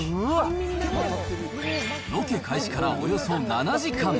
ロケ開始からおよそ７時間。